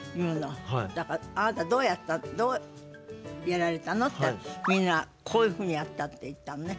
だから「あなたどうやった？どうやられたの？」って「みんなこういうふうにやった」って言ったのね。